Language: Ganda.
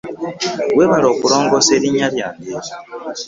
Webale okulongosa erinnya lyange.